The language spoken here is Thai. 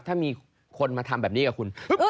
ถ้ามีคนมาทำแบบนี้กับคุณ